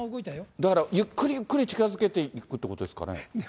だからゆっくりゆっくり近づけていくっていうことですよね。